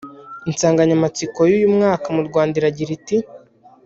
Insanganyamatsiko y’uyu mwaka mu Rwanda iragira iti